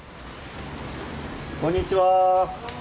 こんにちは。